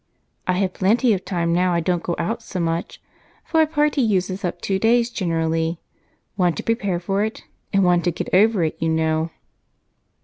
"I have plenty of time now I don't go out so much, for a party uses up two days generally one to prepare for it and one to get over it, you know."